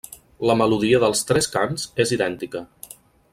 La melodia dels tres cants és idèntica.